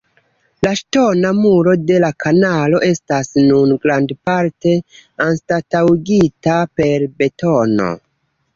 La ŝtona muro de la kanalo estas nun grandparte anstataŭigita per betono.